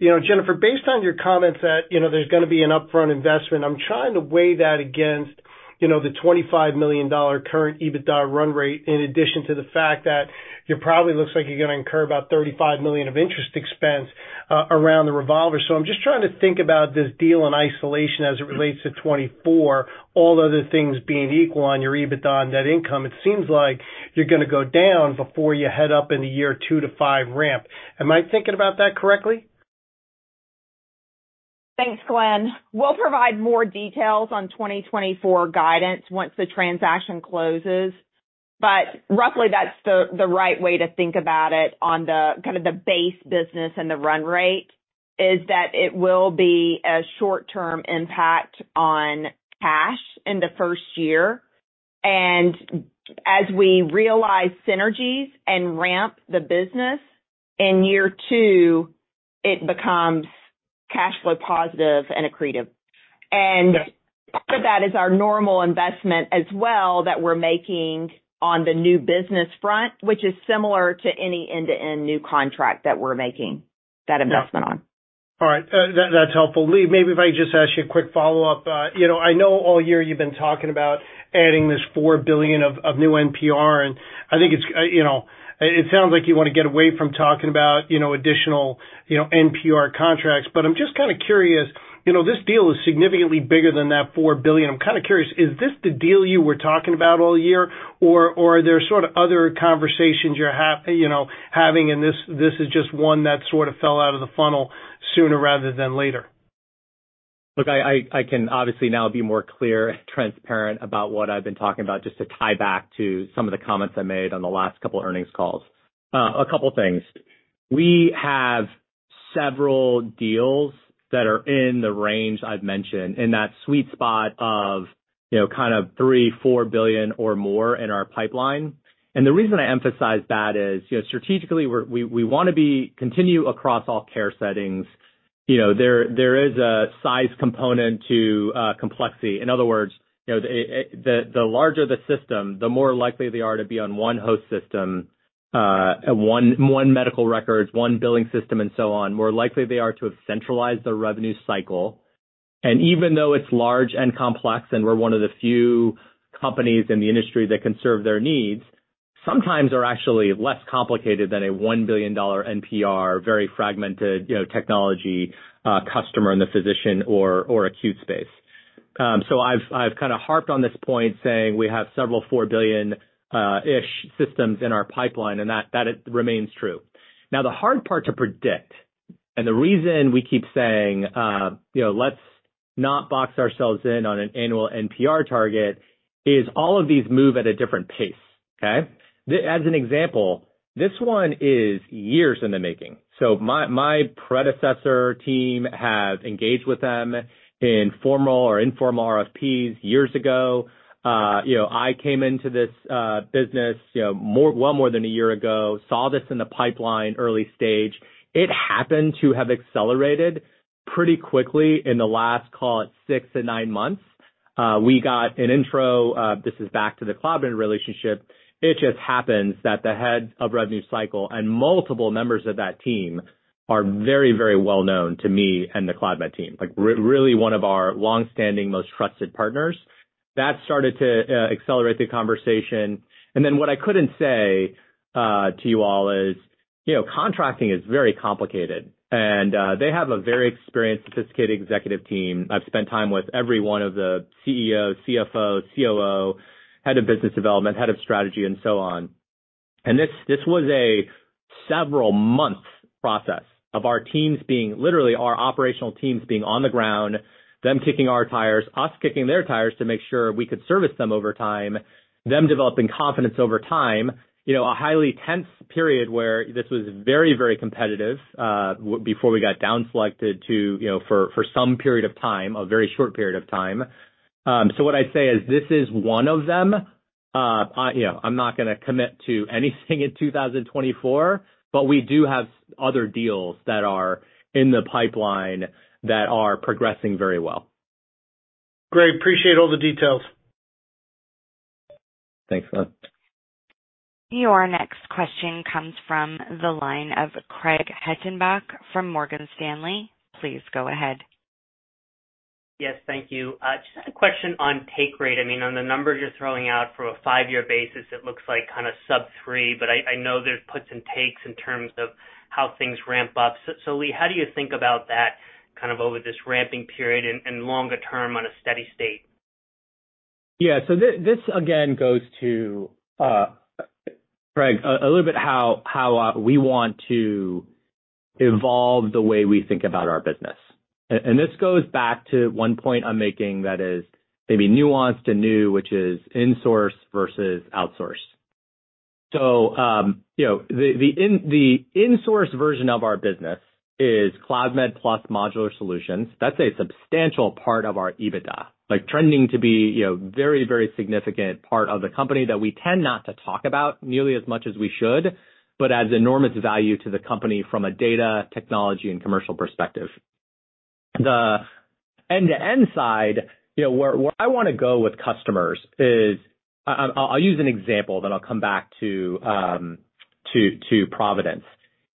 You know, Jennifer, based on your comments that, you know, there's going to be an upfront investment, I'm trying to weigh that against, you know, the $25 million current EBITDA run rate, in addition to the fact that it probably looks like you're gonna incur about $35 million of interest expense, around the revolver. So I'm just trying to think about this deal in isolation as it relates to 2024. All other things being equal on your EBITDA and net income, it seems like you're gonna go down before you head up in the year two to five ramp. Am I thinking about that correctly? Thanks, Glen. We'll provide more details on 2024 guidance once the transaction closes, but roughly, that's the right way to think about it on the kind of the base business and the run rate, is that it will be a short-term impact on cash in the first year. As we realize synergies and ramp the business in year two, it becomes cash flow positive and accretive. Part of that is our normal investment as well, that we're making on the new business front, which is similar to any end-to-end new contract that we're making that investment on. All right. That, that's helpful. Lee, maybe if I could just ask you a quick follow-up. You know, I know all year you've been talking about adding this $4 billion of new NPR, and I think it's, you know, it sounds like you want to get away from talking about, you know, additional NPR contracts. But I'm just kind of curious, you know, this deal is significantly bigger than that $4 billion. I'm kind of curious, is this the deal you were talking about all year, or are there sort of other conversations you're having, and this is just one that sort of fell out of the funnel sooner rather than later? Look, I can obviously now be more clear and transparent about what I've been talking about, just to tie back to some of the comments I made on the last couple of earnings calls. A couple of things. We have several deals that are in the range I've mentioned, in that sweet spot of, you know, kind of $3 billion-$4 billion or more in our pipeline. The reason I emphasize that is, you know, strategically, we want to be continue across all care settings. You know, there is a size component to complexity. In other words, you know, the larger the system, the more likely they are to be on one host system, one medical record, one billing system and so on, more likely they are to have centralized their revenue cycle. And even though it's large and complex, and we're one of the few companies in the industry that can serve their needs, sometimes are actually less complicated than a $1 billion NPR, very fragmented, you know, technology, customer in the physician or, or acute space. So I've, I've kind of harped on this point, saying we have several four billion-ish systems in our pipeline, and that, that remains true. Now, the hard part to predict, and the reason we keep saying, you know, let's not box ourselves in on an annual NPR target, is all of these move at a different pace. Okay? As an example, this one is years in the making. So my, my predecessor team has engaged with them in formal or informal RFPs years ago. You know, I came into this business, you know, more than a year ago, saw this in the pipeline early stage. It happened to have accelerated pretty quickly in the last, call it six to nine months. We got an intro, this is back to the Cloudmed relationship. It just happens that the head of revenue cycle and multiple members of that team are very, very well known to me and the Cloudmed team, like, really one of our long-standing, most trusted partners. That started to accelerate the conversation. And then what I couldn't say to you all is, you know, contracting is very complicated, and they have a very experienced, sophisticated executive team. I've spent time with every one of the CEO, CFO, COO, head of business development, head of strategy, and so on. And this, this was a several months process of our teams being, literally, our operational teams being on the ground, them kicking our tires, us kicking their tires to make sure we could service them over time, them developing confidence over time. You know, a highly tense period where this was very, very competitive, before we got downselected to, you know, for, for some period of time, a very short period of time. So what I'd say is, this is one of them. I, you know, I'm not gonna commit to anything in 2024, but we do have other deals that are in the pipeline that are progressing very well. Great. Appreciate all the details. Thanks, Glen. Your next question comes from the line of Craig Hettenbach from Morgan Stanley. Please go ahead. Yes, thank you. Just a question on take rate. I mean, on the numbers you're throwing out for a five-year basis, it looks like kind of sub three, but I know there's puts and takes in terms of how things ramp up. So Lee, how do you think about that, kind of over this ramping period and longer term on a steady state? Yeah, so this again goes to, Craig, a little bit how we want to evolve the way we think about our business. And this goes back to one point I'm making that is maybe nuanced and new, which is insource versus outsource. So, you know, the insource version of our business is Cloudmed plus modular solutions. That's a substantial part of our EBITDA, like, trending to be, you know, very, very significant part of the company that we tend not to talk about nearly as much as we should, but adds enormous value to the company from a data, technology, and commercial perspective. The end-to-end side, you know, where I want to go with customers is, I'll use an example, then I'll come back to Providence.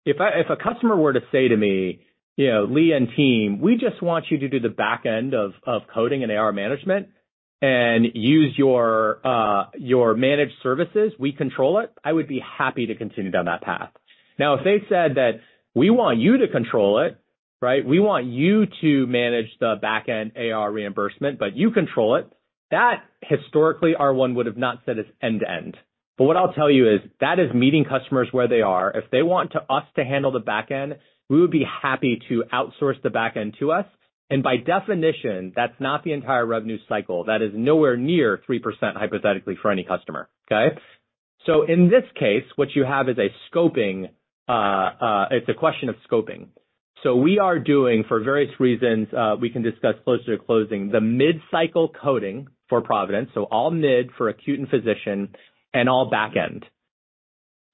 If I, if a customer were to say to me, you know, "Lee and team, we just want you to do the back end of coding and AR management and use your managed services. We control it." I would be happy to continue down that path. Now, if they said that, "We want you to control it," right? "We want you to manage the back-end AR reimbursement, but you control it," that historically, R1 would have not said it's end-to-end. But what I'll tell you is, that is meeting customers where they are. If they want to us to handle the back end, we would be happy to outsource the back end to us, and by definition, that's not the entire revenue cycle. That is nowhere near 3% hypothetically for any customer, okay? So in this case, what you have is a scoping. It's a question of scoping. So we are doing, for various reasons, we can discuss closer to closing, the mid-cycle coding for Providence, so all mid for acute and physician and all back end.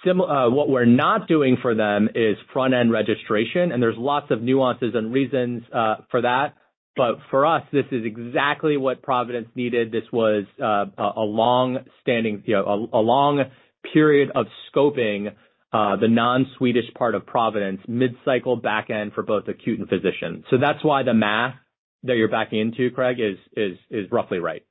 What we're not doing for them is front-end registration, and there's lots of nuances and reasons, for that. But for us, this is exactly what Providence needed. This was, a, a long-standing, you know, a, a long period of scoping, the non-Swedish part of Providence, mid-cycle back end for both acute and physician. So that's why the math that you're backing into, Craig, is, is, is roughly right.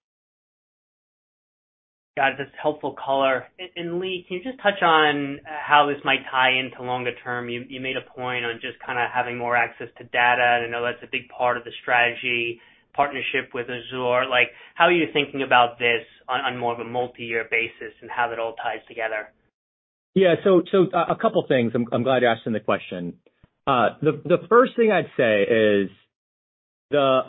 Got it. This is a helpful color. And Lee, can you just touch on how this might tie into longer term? You made a point on just kind of having more access to data. I know that's a big part of the strategy, partnership with Azure. Like, how are you thinking about this on more of a multi-year basis and how it all ties together? Yeah. So a couple things. I'm glad you're asking the question. The first thing I'd say is, the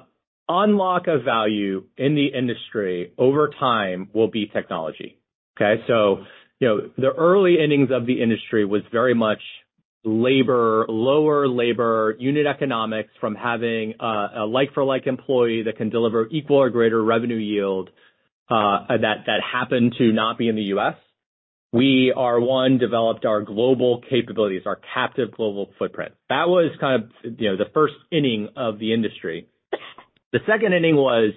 unlock of value in the industry over time will be technology, okay? So, you know, the early innings of the industry was very much labor, lower labor unit economics from having a like for like employee that can deliver equal or greater revenue yield, that happened to not be in the U.S. We, R1, developed our global capabilities, our captive global footprint. That was kind of, you know, the first inning of the industry. The second inning was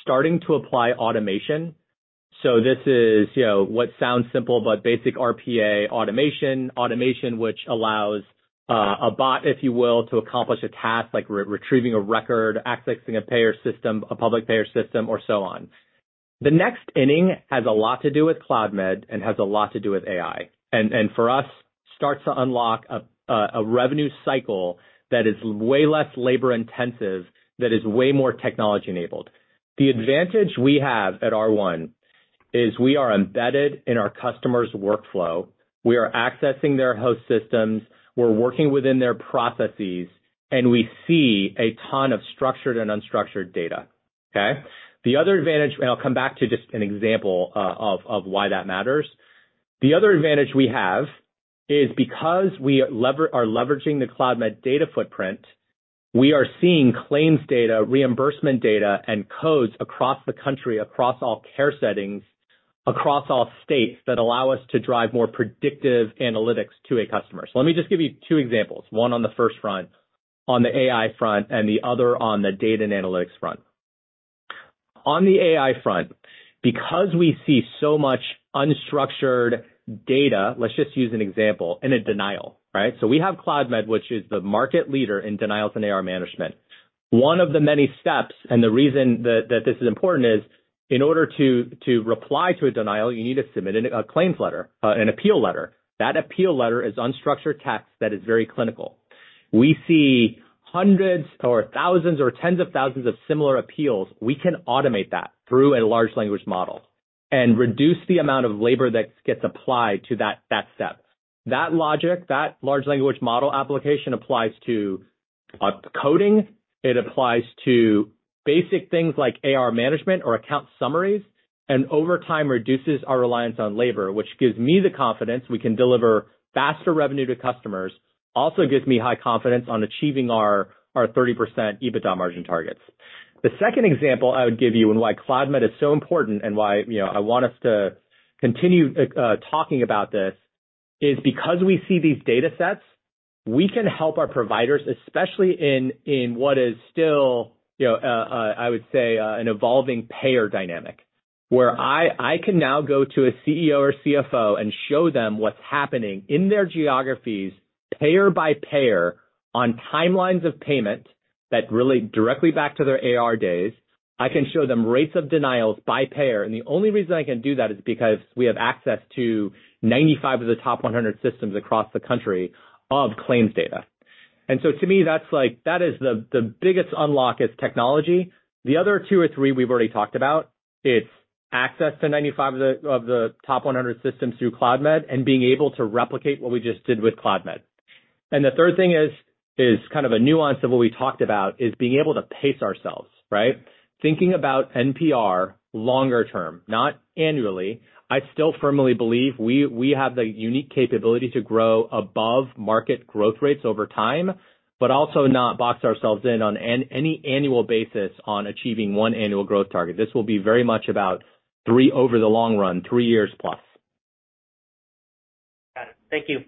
starting to apply automation. So this is, you know, what sounds simple, but basic RPA automation. Automation, which allows a bot, if you will, to accomplish a task like retrieving a record, accessing a payer system, a public payer system, or so on. The next inning has a lot to do with Cloudmed and has a lot to do with AI, and for us, starts to unlock a revenue cycle that is way less labor intensive, that is way more technology enabled. The advantage we have at R1 is we are embedded in our customer's workflow. We are accessing their host systems, we're working within their processes, and we see a ton of structured and unstructured data, okay? The other advantage, and I'll come back to just an example of why that matters. The other advantage we have is because we are leveraging the Cloudmed data footprint, we are seeing claims data, reimbursement data, and codes across the country, across all care settings, across all states, that allow us to drive more predictive analytics to a customer. So let me just give you two examples, one on the first front, on the AI front, and the other on the data and analytics front. On the AI front, because we see so much unstructured data, let's just use an example in a denial, right? So we have Cloudmed, which is the market leader in denials and AR management. One of the many steps, and the reason that this is important is, in order to reply to a denial, you need to submit a claims letter, an appeal letter. That appeal letter is unstructured text that is very clinical. We see hundreds or thousands or tens of thousands of similar appeals. We can automate that through a large language model and reduce the amount of labor that gets applied to that step. That logic, that large language model application, applies to coding. It applies to basic things like AR management or account summaries, and over time, reduces our reliance on labor, which gives me the confidence we can deliver faster revenue to customers. Also gives me high confidence on achieving our 30% EBITDA margin targets. The second example I would give you, and why Cloudmed is so important, and why, you know, I want us to continue talking about this, is because we see these data sets, we can help our providers, especially in what is still, you know, I would say, an evolving payer dynamic. Where I can now go to a CEO or CFO and show them what's happening in their geographies, payer by payer, on timelines of payment that relate directly back to their AR days. I can show them rates of denials by payer, and the only reason I can do that is because we have access to 95 of the top 100 systems across the country of claims data. And so to me, that's like, that is the biggest unlock is technology. The other two or three we've already talked about. It's access to 95 of the top 100 systems through Cloudmed and being able to replicate what we just did with Cloudmed. And the third thing is kind of a nuance of what we talked about, is being able to pace ourselves, right? Thinking about NPR longer term, not annually. I still firmly believe we have the unique capability to grow above market growth rates over time, but also not box ourselves in on any annual basis on achieving one annual growth target. This will be very much about three over the long run, three years plus. Got it. Thank you.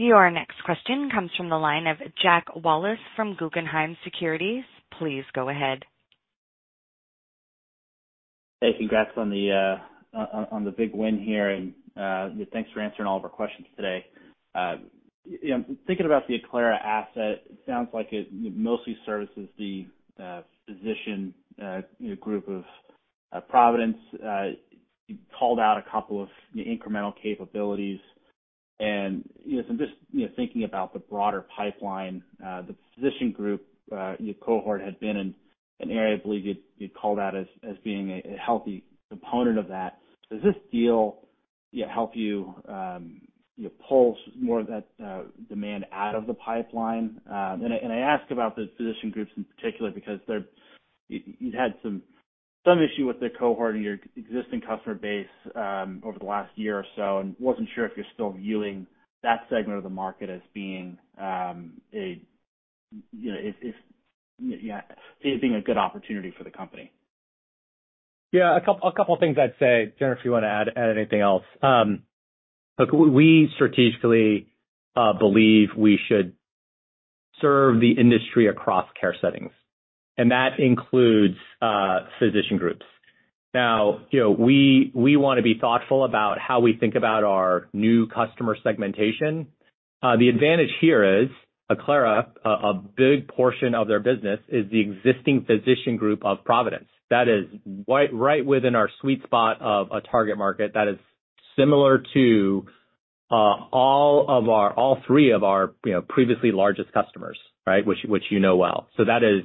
Your next question comes from the line of Jack Wallace from Guggenheim Securities. Please go ahead. Hey, congrats on the, on the big win here, and, thanks for answering all of our questions today. You know, thinking about the Acclara asset, it sounds like it mostly services the, physician, group of, Providence. You called out a couple of the incremental capabilities, and, you know, so just, you know, thinking about the broader pipeline, the physician group, your cohort had been in an area I believe you'd call that as being a healthy component of that. Does this deal, you know, help you, you know, pull more of that, demand out of the pipeline? And I ask about the physician groups in particular because there, you'd had some issue with the cohort in your existing customer base over the last year or so, and wasn't sure if you're still viewing that segment of the market as being, you know, yeah, as being a good opportunity for the company? Yeah, a couple of things I'd say. Jennifer, if you want to add anything else. Look, we strategically believe we should serve the industry across care settings, and that includes physician groups. Now, you know, we want to be thoughtful about how we think about our new customer segmentation. The advantage here is, Acclara, a big portion of their business is the existing physician group of Providence. That is right within our sweet spot of a target market that is similar to all three of our, you know, previously largest customers, right? Which you know well. So that is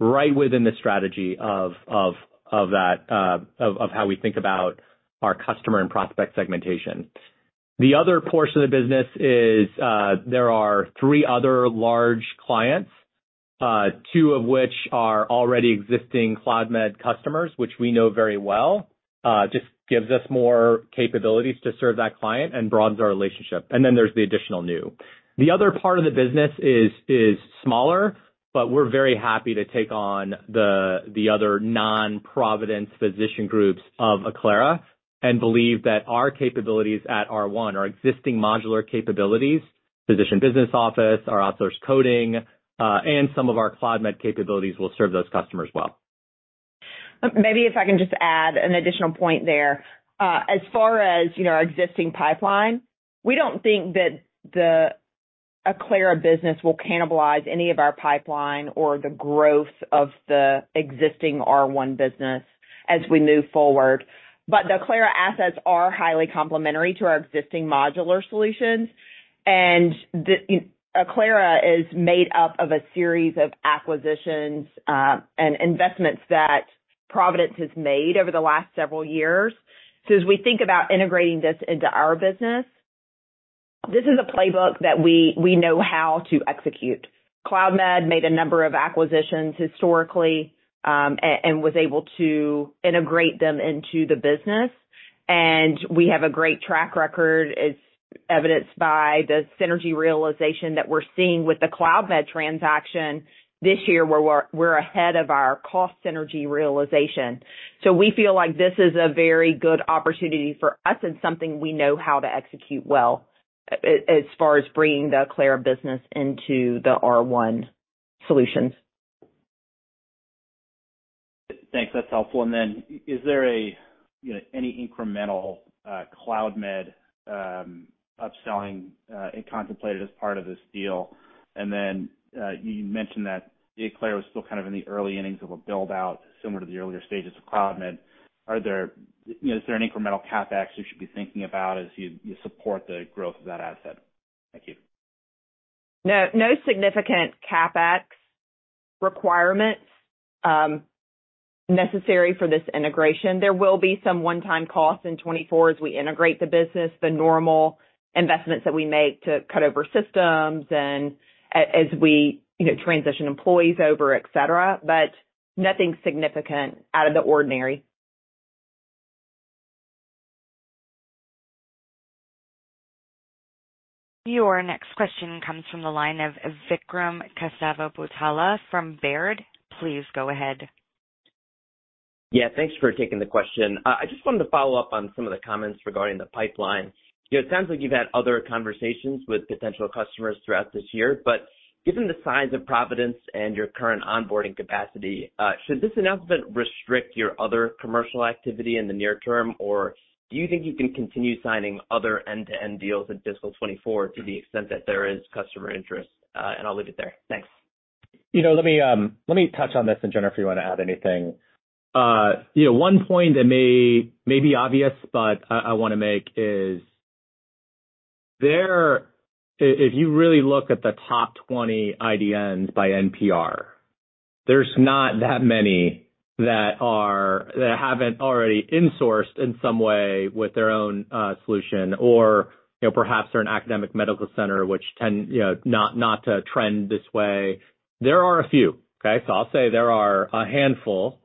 right within the strategy of that of how we think about our customer and prospect segmentation. The other portion of the business is, there are three other large clients, two of which are already existing Cloudmed customers, which we know very well, just gives us more capabilities to serve that client and broadens our relationship. And then there's the additional new. The other part of the business is smaller, but we're very happy to take on the other non-Providence physician groups of Acclara, and believe that our capabilities at R1, our existing modular capabilities, physician business office, our outsource coding, and some of our Cloudmed capabilities will serve those customers well. Maybe if I can just add an additional point there. As far as, you know, our existing pipeline, we don't think that the Acclara business will cannibalize any of our pipeline or the growth of the existing R1 business as we move forward. But the Acclara assets are highly complementary to our existing modular solutions, and the Acclara is made up of a series of acquisitions and investments that Providence has made over the last several years. So as we think about integrating this into our business, this is a playbook that we know how to execute. Cloudmed made a number of acquisitions historically and was able to integrate them into the business. And we have a great track record, as evidenced by the synergy realization that we're seeing with the Cloudmed transaction this year, where we're ahead of our cost synergy realization. So we feel like this is a very good opportunity for us and something we know how to execute well, as far as bringing the Acclara business into the R1 solutions. Thanks. That's helpful. And then is there a, you know, any incremental Cloudmed upselling contemplated as part of this deal? And then you mentioned that the Acclara is still kind of in the early innings of a build-out, similar to the earlier stages of Cloudmed. Are there, you know, is there an incremental CapEx you should be thinking about as you support the growth of that asset? Thank you. No, no significant CapEx requirements necessary for this integration. There will be some one-time costs in 2024 as we integrate the business, the normal investments that we make to cut over systems and as we, you know, transition employees over, et cetera, but nothing significant out of the ordinary. Your next question comes from the line of Vikram Kesavabhotla from Baird. Please go ahead. Yeah, thanks for taking the question. I just wanted to follow up on some of the comments regarding the pipeline. It sounds like you've had other conversations with potential customers throughout this year, but given the size of Providence and your current onboarding capacity, should this announcement restrict your other commercial activity in the near term, or do you think you can continue signing other end-to-end deals in fiscal 2024 to the extent that there is customer interest? I'll leave it there. Thanks. You know, let me, let me touch on this, and Jennifer, you want to add anything. You know, one point that may be obvious, but I want to make is there. If you really look at the top 20 IDNs by NPR, there's not that many that haven't already insourced in some way with their own solution, or, you know, perhaps they're an academic medical center, which tend, you know, not to trend this way. There are a few, okay? So I'll say there are a handful.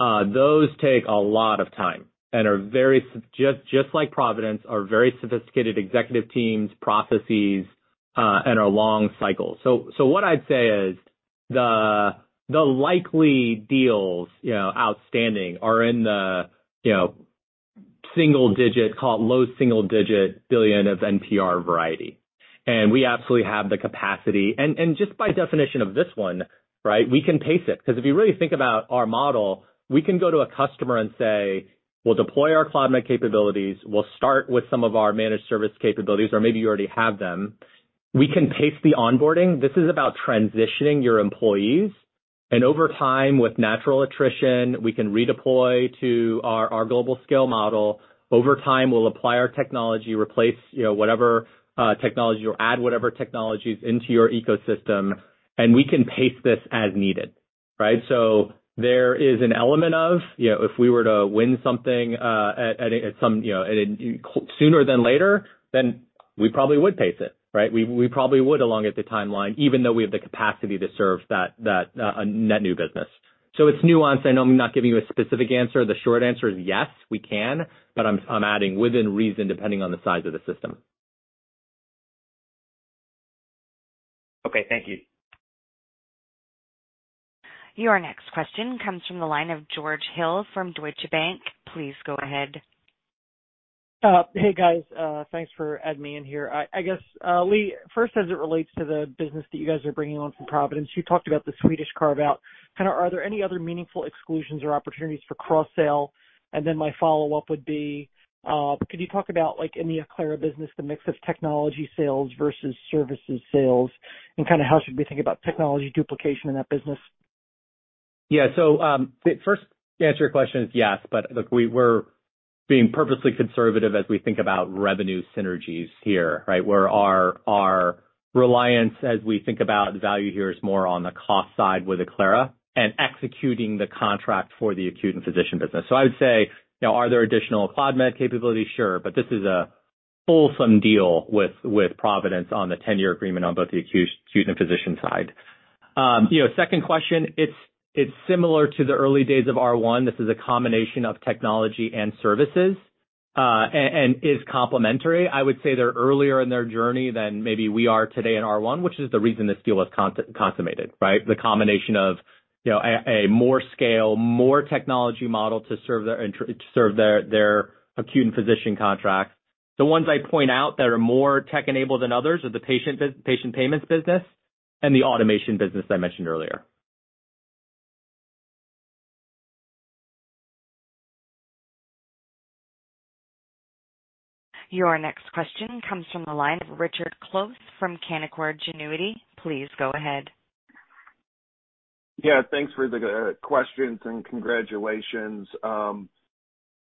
Those take a lot of time and are very just, just like Providence, are very sophisticated executive teams, processes, and are long cycles. So what I'd say is the likely deals, you know, outstanding are in the, you know, single digit, call it low single-digit billion of NPR variety. And we absolutely have the capacity. And just by definition of this one, right, we can pace it. Because if you really think about our model, we can go to a customer and say, "We'll deploy our Cloudmed capabilities. We'll start with some of our managed service capabilities, or maybe you already have them." We can pace the onboarding. This is about transitioning your employees, and over time, with natural attrition, we can redeploy to our global scale model. Over time, we'll apply our technology, replace, you know, whatever technology or add whatever technologies into your ecosystem, and we can pace this as needed, right? So there is an element of, you know, if we were to win something at some sooner than later, then we probably would pace it, right? We probably would elongate the timeline, even though we have the capacity to serve that net new business. So it's nuanced. I know I'm not giving you a specific answer. The short answer is yes, we can, but I'm adding within reason, depending on the size of the system. Okay, thank you. Your next question comes from the line of George Hill from Deutsche Bank. Please go ahead. Hey, guys, thanks for adding me in here. I guess, Lee, first, as it relates to the business that you guys are bringing on from Providence, you talked about the Swedish carve-out. Kinda, are there any other meaningful exclusions or opportunities for cross-sale? And then my follow-up would be, could you talk about, like, in the Acclara business, the mix of technology sales versus services sales, and kind of how should we think about technology duplication in that business? Yeah. So, the first to answer your question is yes, but look, we're being purposely conservative as we think about revenue synergies here, right? Where our reliance as we think about value here is more on the cost side with Acclara and executing the contract for the acute and physician business. So I would say, you know, are there additional Cloudmed capabilities? Sure. But this is a fulsome deal with Providence on the 10-year agreement on both the acute and physician side. You know, second question, it's similar to the early days of R1. This is a combination of technology and services, and is complementary. I would say they're earlier in their journey than maybe we are today in R1, which is the reason this deal was consummated, right? The combination of, you know, a more scalable, more technology model to serve their entire acute and physician contracts. The ones I point out that are more tech-enabled than others are the patient payments business and the automation business I mentioned earlier. Your next question comes from the line of Richard Close from Canaccord Genuity. Please go ahead. Yeah, thanks for the questions, and congratulations.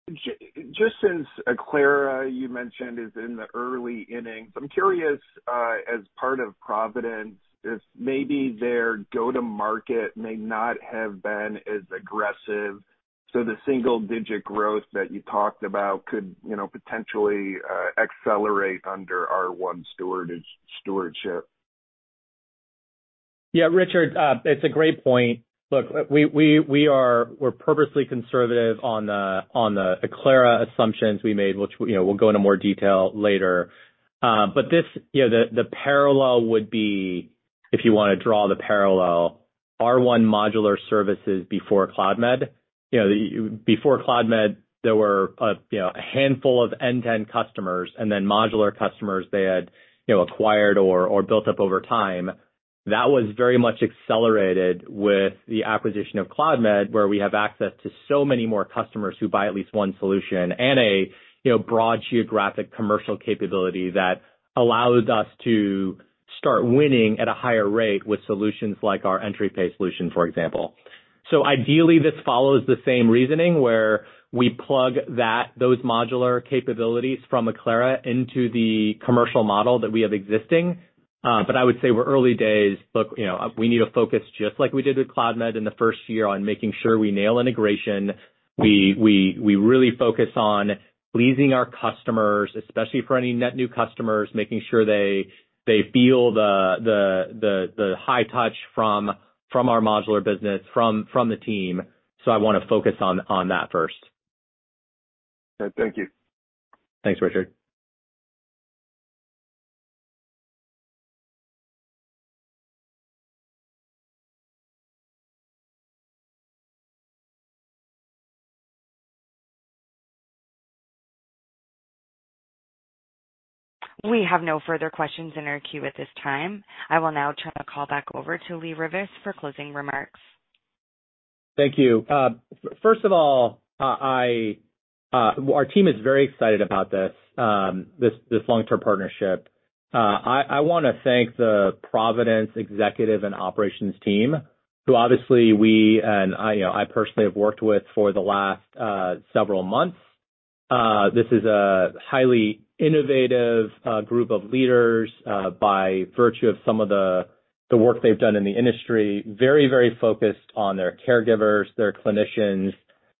Just since Acclara, you mentioned, is in the early innings, I'm curious, as part of Providence, if maybe their go-to-market may not have been as aggressive, so the single-digit growth that you talked about could, you know, potentially, accelerate under R1 stewardship? Yeah, Richard, it's a great point. Look, we're purposely conservative on the Acclara assumptions we made, which, you know, we'll go into more detail later. But this, you know, the parallel would be, if you wanna draw the parallel, R1 modular services before Cloudmed. You know, before Cloudmed, there were, you know, a handful of end-to-end customers, and then modular customers they had, you know, acquired or built up over time. That was very much accelerated with the acquisition of Cloudmed, where we have access to so many more customers who buy at least one solution and, you know, broad geographic commercial capability that allows us to start winning at a higher rate with solutions like our Entri Pay solution, for example. So ideally, this follows the same reasoning, where we plug that, those modular capabilities from Acclara into the commercial model that we have existing. But I would say we're early days. Look, you know, we need to focus, just like we did with Cloudmed in the first year, on making sure we nail integration. We really focus on pleasing our customers, especially for any net new customers, making sure they feel the high touch from our modular business, from the team. So I wanna focus on that first. Thank you. Thanks, Richard. We have no further questions in our queue at this time. I will now turn the call back over to Lee Rivas for closing remarks. Thank you. First of all, our team is very excited about this long-term partnership. I wanna thank the Providence executive and operations team, who obviously we and I, you know, I personally have worked with for the last several months. This is a highly innovative group of leaders by virtue of some of the work they've done in the industry. Very, very focused on their caregivers, their clinicians,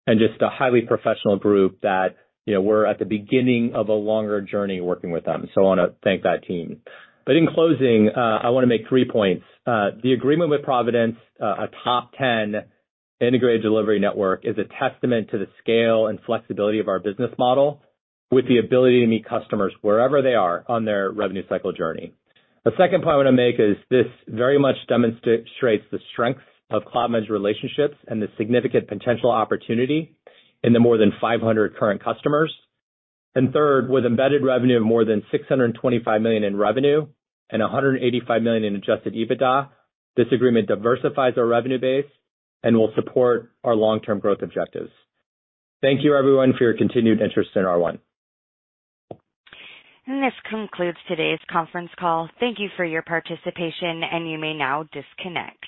and just a highly professional group that, you know, we're at the beginning of a longer journey working with them, so I wanna thank that team. But in closing, I wanna make three points. The agreement with Providence, a top 10 integrated delivery network, is a testament to the scale and flexibility of our business model, with the ability to meet customers wherever they are on their revenue cycle journey. The second point I wanna make is this very much demonstrates the strength of Cloudmed's relationships and the significant potential opportunity in the more than 500 current customers. Third, with embedded revenue of more than $625 million in revenue and $185 million in adjusted EBITDA, this agreement diversifies our revenue base and will support our long-term growth objectives. Thank you, everyone, for your continued interest in R1. This concludes today's conference call. Thank you for your participation, and you may now disconnect.